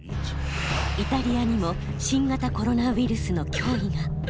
イタリアにも新型コロナウイルスの脅威が。